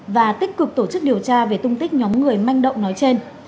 và tích cực tổ chức điều tra về tung tích nhóm người manh động nói trên